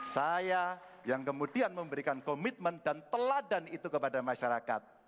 saya yang kemudian memberikan komitmen dan teladan itu kepada masyarakat